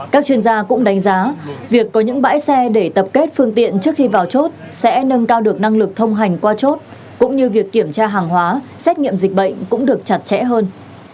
các chuyên gia cũng đánh giá việc có những bãi xe để tập kết phương tiện trước khi vào chốt sẽ nâng cao được năng lực thông hành qua chốt cũng như việc kiểm tra hàng hóa xét nghiệm dịch bệnh cũng được chặt chẽ hơn